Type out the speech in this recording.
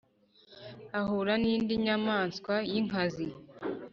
ahura n’indi nyamaswa y’inkazi,